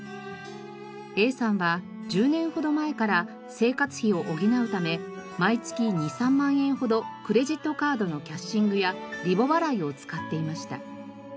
Ａさんは１０年ほど前から生活費を補うため毎月２３万円ほどクレジットカードのキャッシングやリボ払いを使っていました。